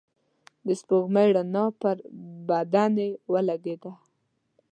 د سپوږمۍ رڼا پر بدنې لګېدله.